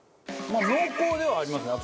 まあ濃厚ではありますね。